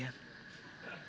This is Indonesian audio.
jatut ngurer rdm